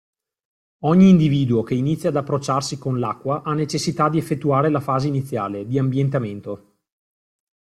Ogni individuo che inizia ad approcciarsi con l'acqua ha necessità di effettuare la fase iniziale, di ambientamento.